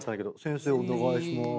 「先生お願いしまーす」